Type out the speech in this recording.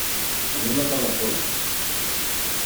Anem a Palafolls.